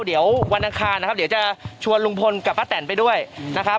เดี๋ยววันอังคารนะครับเดี๋ยวจะชวนลุงพลกับป้าแตนไปด้วยนะครับ